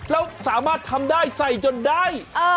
แล้วสามารถทำได้ใส่จนได้